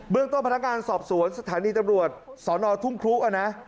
เรื่องต้นพนักงานสอบสวนสถานีตำรวจสอนอทุ่งครุนะ